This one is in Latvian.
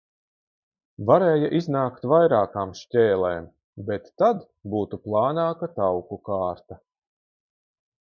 Varēja iznākt vairākām šķēlēm, bet tad būtu plānāka tauku kārta.